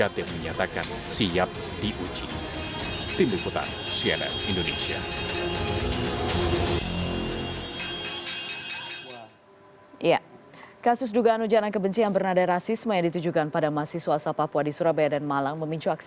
terima kasih pak